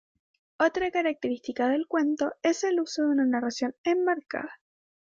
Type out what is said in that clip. Otra característica del cuento es el uso de una narración enmarcada.